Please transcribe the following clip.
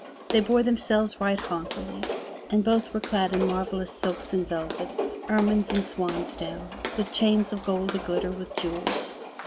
They bore themselves right haughtily, and both were clad in marvelous silks and velvets, ermines and swansdown, with chains of gold a glitter with jewels.